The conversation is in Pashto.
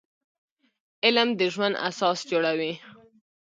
علم د ژوند اساس جوړوي